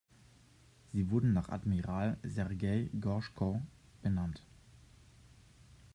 Sie wurde nach Admiral Sergei Gorschkow benannt.